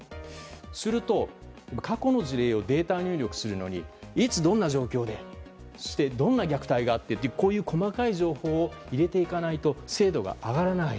すると、過去の事例をデータ入力するのにいつどんな状況でどんな虐待があってというこういう細かい情報を入れていかないと精度が上がらない。